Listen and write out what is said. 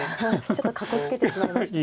ちょっと格好つけてしまいました。